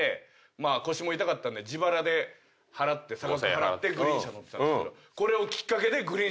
まあ腰も痛かったんで自腹で差額払ってグリーン車乗ってたんすけど。